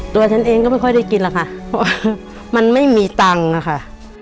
ตัวฉันเองก็ไม่ค่อยได้กินล่ะค่ะมันไม่มีตังค่ะ